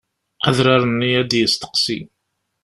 Adrar-nni ad d-yesteqsi.